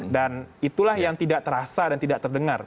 dan itulah yang tidak terasa dan tidak terdengar